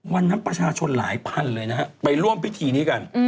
วันนั้นประชาชนหลายพันธุ์เลยนะไปร่วมพิธีนี้กัน